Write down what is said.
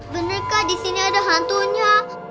bener kak disini ada hantunya